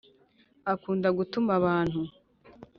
Akunda gutuma abantu